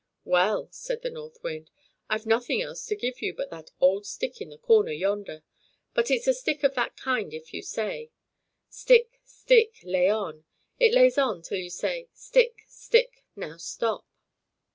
"Well," said the North Wind; "I've nothing else to give you but that old stick in the corner yonder; but it's a stick of that kind that if you say: "'Stick, stick! lay on!' it lays on till you say: "'Stick, stick! now stop!'"